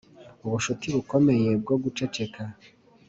ubucuti bukomeye bwo guceceka